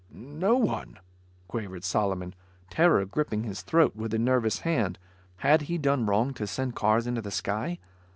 "No one," quavered Solomon, terror gripping his throat with a nervous hand. Had he done wrong to send cars into the sky?